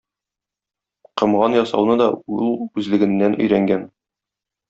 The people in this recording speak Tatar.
Комган ясауны да ул үзлегеннән өйрәнгән.